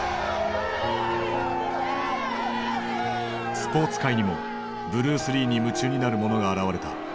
スポーツ界にもブルース・リーに夢中になる者が現れた。